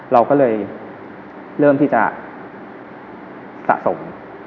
เราก็เลยเริ่มที่จะสะสม